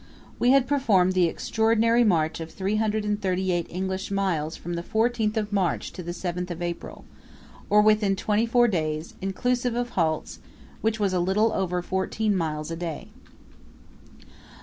We had performed the extraordinary march of 338 English statute miles from the 14th of March to the 7th of April, or within twenty four days, inclusive of halts, which was a little over fourteen miles a day.